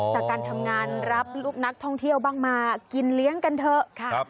จากการทำงานรับลูกนักท่องเที่ยวบ้างมากินเลี้ยงกันเถอะค่ะ